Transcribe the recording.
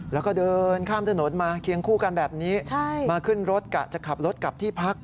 แล้วก็เดินข้ามถนนมาเคียงคู่กันแบบนี้มาขึ้นรถกะจะขับรถกลับที่พัก